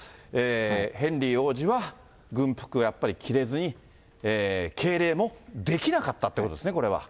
ヘンリー王子は、軍服、やっぱり着れずに、敬礼もできなかったってことですね、これは。